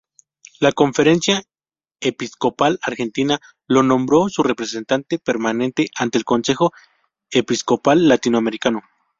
La Conferencia Episcopal Argentina lo nombró su representante permanente ante el Consejo Episcopal Latinoamericano.